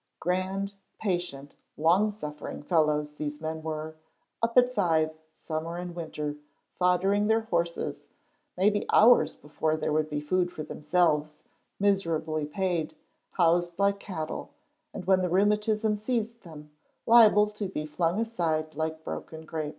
Grand, patient, long suffering fellows these men were, up at five, summer and winter, foddering their horses, maybe hours before there would be food for themselves, miserably paid, housed like cattle, and when the rheumatism seized them, liable to be flung aside like a broken graip.